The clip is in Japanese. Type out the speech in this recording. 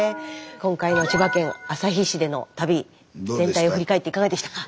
今回の千葉県旭市での旅全体を振り返っていかがでしたか？